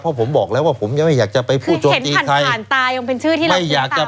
เพราะผมบอกแล้วว่าผมยังไม่อยากจะไปพูดโจมตีใครคือเห็นผ่านผ่านตายมันเป็นชื่อที่เราติดตามเลย